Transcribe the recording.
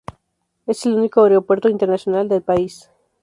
Es el único aeropuerto internacional del país.